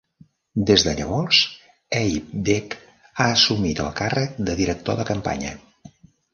Des de llavors, Abe Dyk ha assumit el càrrec de director de campanya.